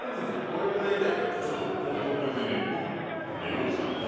どれぐらい痛いかってちょっと今回特別にね用意したんです。